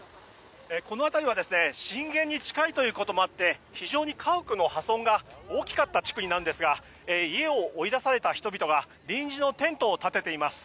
この辺りは震源に近いということもあって非常に家屋の破損が大きかった地区になるんですが家を追い出された人々が臨時のテントを立てています。